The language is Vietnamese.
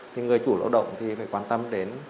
nhưng người chủ lao động thì phải quan tâm